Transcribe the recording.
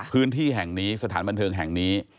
พื้นที่แห่งนี้สถานบันเทิงแห่งนี้